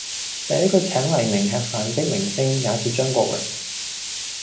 第一個請黎明吃飯的明星也是張國榮。